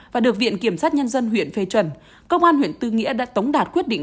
và được viện kiểm sát nhân dân huyện phê chuẩn công an huyện tư nghĩa đã tống đạt quyết định